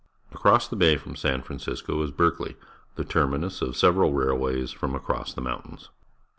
Across the baj' from San Francisco is Berkeley, the terminus of several railwaj's from across the mountains.